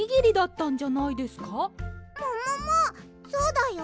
そうだよ。